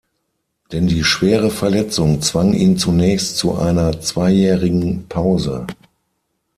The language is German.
Denn die schwere Verletzung zwang ihn zunächst zu einer zweijährigen Pause.